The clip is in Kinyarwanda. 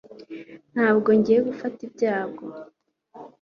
Ntabwo ngiye gufata ibyago